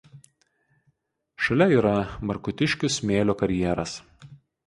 Šalia yra Markutiškių smėlio karjeras.